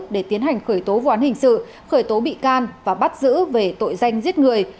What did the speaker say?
để tiến hành khởi tố vụ án hình sự khởi tố bị can và bắt giữ về tội danh giết người